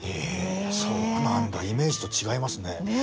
そうなんだイメージと違いますね。